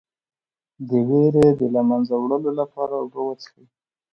د ویرې د له منځه وړلو لپاره اوبه وڅښئ